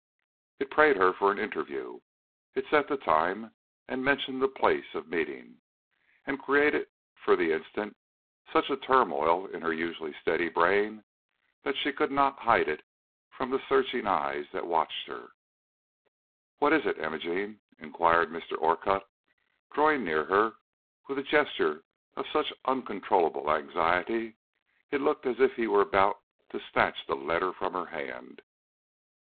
It prayed her for an interview. It set the time and mentioned the place of meeting, and created for the instant such a turmoil in her usually steady brain that she could not hide it from the searching eyes that watched her. "What is it, Imogene?" inquired Mr. Orcutt, drawing near her with a gesture of such uncontrollable anxiety, it looked as if he were about to snatch the letter from her hand.